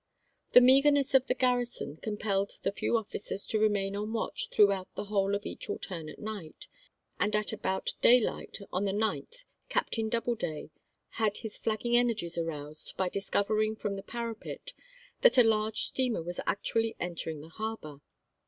1 The meagerness of the garrison compelled the Douweday, few officers to remain on watch throughout the s]g2^1^iJl whole of each alternate night, and at about day *• 8G light on the 9th Captain Doubleday had his flag ging energies aroused by discovering from the parapet that a large steamer was actually entering the harbor.